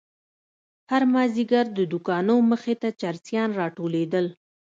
هر مازيگر د دوکانو مخې ته چرسيان راټولېدل.